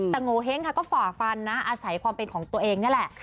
แต่โงเห้งค่ะก็ฝ่าฟันนะอาศัยความเป็นของตัวเองนี่แหละ